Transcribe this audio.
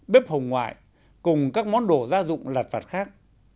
bếp hồng ngoại cùng các món đồ gia dụng lạt vặt khác